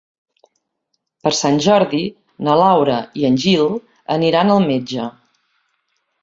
Per Sant Jordi na Laura i en Gil aniran al metge.